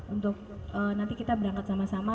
untuk nanti kita berangkat sama sama